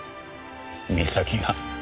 美咲が？